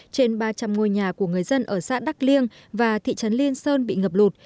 trên ba trăm linh ngôi nhà của người dân ở xã đắc liêng và thị trấn liên sơn bị ngập lụt